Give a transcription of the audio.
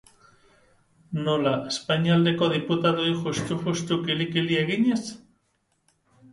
Nola, Espainia aldeko diputatuei juxtu kili-kili eginez?